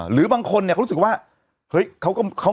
หรือบางคนเนี่ยเขารู้สึกว่าเฮ้ย